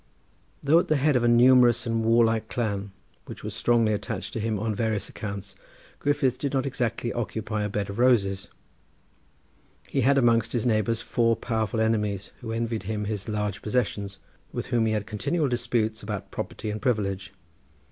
Though at the head of a numerous and warlike clan which was strongly attached to him on various accounts, Griffith did not exactly occupy a bed of roses. He had amongst his neighbours four powerful enemies who envied him his large possessions, with whom he had continual disputes about property and privilege.